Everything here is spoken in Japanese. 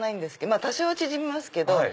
まぁ多少は縮みますけど。